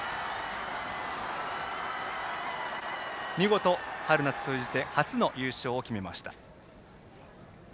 見事、春夏通じて初の優勝を決めました。